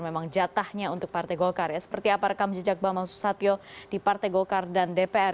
memang jatahnya untuk partai golkar ya seperti apa rekam jejak bambang susatyo di partai golkar dan dpr